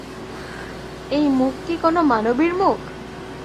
এই মুখ কি কোনো মানবীর মুখ?